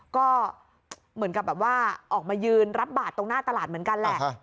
ก็เหมือนกับแบบว่าออกมายืนรับบาทตรงหน้าตลาดเหมือนกันแหละ